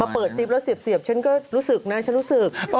พอเปิดซิปแล้วเสียบฉันก็รู้สึกนะฉันรู้สึก